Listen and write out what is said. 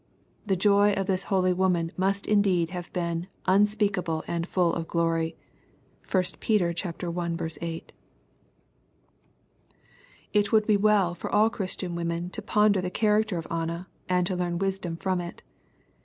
The joy of this holy woman must indeed have been " unspeakable and full of glory.'' (1 Peter i. 8.) It would be well for all Christian women to ponder the character of Anna, and learn wisdom from it.